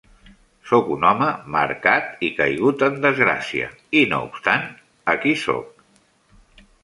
Soc un home marcat i caigut en desgràcia, i no obstant, aquí soc.